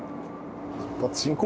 出発進行！